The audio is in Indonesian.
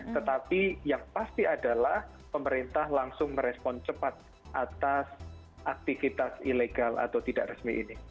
tetapi yang pasti adalah pemerintah langsung merespon cepat atas aktivitas ilegal atau tidak resmi ini